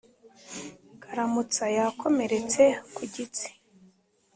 karamutsa yakomeretse ku gitsi